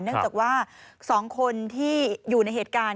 เนื่องจากว่า๒คนที่อยู่ในเหตุการณ์